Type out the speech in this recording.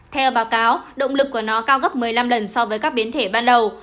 theo báo cáo động lực của nó cao gấp một mươi năm lần so với các biến thể ban đầu